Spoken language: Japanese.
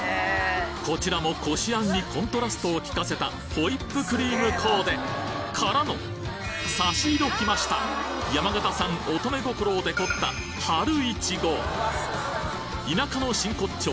こちらもこしあんにコントラストをきかせたホイップクリームコーデからの差し色きました山形産おとめ心をデコった田舎の真骨頂